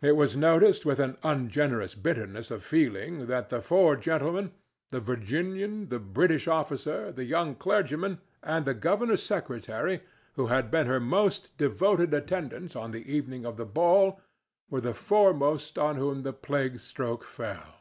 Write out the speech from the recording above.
It was noticed with an ungenerous bitterness of feeling that the four gentlemen—the Virginian, the British officer, the young clergyman and the governor's secretary—who had been her most devoted attendants on the evening of the ball were the foremost on whom the plague stroke fell.